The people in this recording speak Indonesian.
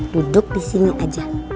duduk di sini aja